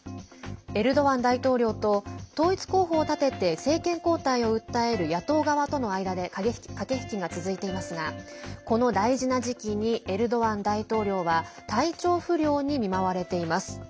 エルドアン大統領と統一候補を立てて政権交代を訴える野党側との間で駆け引きが続いていますがこの大事な時期にエルドアン大統領は体調不良に見舞われています。